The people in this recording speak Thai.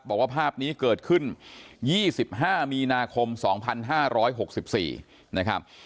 บอกว่าภาพนี้เกิดขึ้น๒๕มีนาคม๒๕๖๔นะครับ